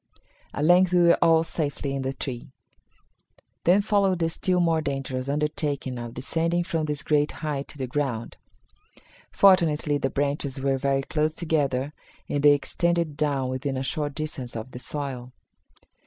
At length we were all safely in the tree. Then followed the still more dangerous undertaking of descending from this great height to the ground. Fortunately, the branches were very close together and they extended down within a short distance of the soil.